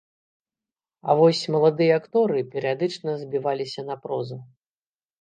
А вось маладыя акторы перыядычна збіваліся на прозу.